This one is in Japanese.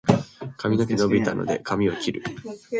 髪の毛が伸びたので、髪を切る。